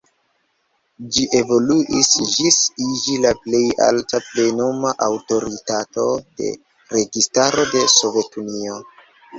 Ĝi evoluis ĝis iĝi la plej alta plenuma aŭtoritato de registaro de Sovetunio.